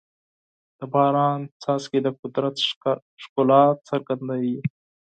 د باران څاڅکي د قدرت ښکلا څرګندوي.